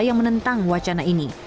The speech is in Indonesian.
yang menentang wacana ini